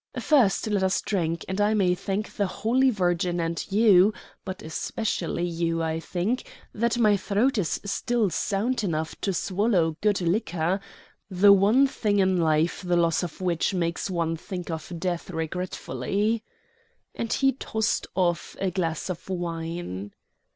"First let us drink; and I may thank the Holy Virgin and you but especially you, I think that my throat is still sound enough to swallow good liquor the one thing in life the loss of which makes one think of death regretfully." And he tossed off a glass of wine.